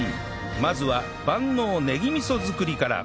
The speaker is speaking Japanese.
まずは万能ねぎ味噌作りから